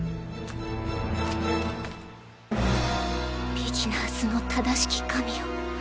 ビギナーズの正しき神よ